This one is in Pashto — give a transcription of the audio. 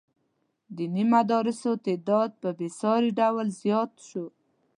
د دیني مدرسو تعداد په بې ساري ډول زیات شو.